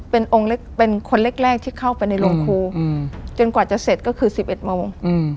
เป็นองค์เล็กเป็นคนแรกที่เข้าไปในโรงครูจนกว่าจะเสร็จก็คือ๑๑โมง